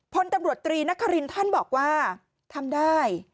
พลตำรวจตรีนครินท่านบอกว่าทำได้